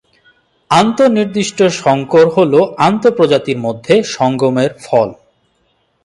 আন্ত-নির্দিষ্ট সংকর হল আন্ত-প্রজাতির মধ্যে সঙ্গমের ফল।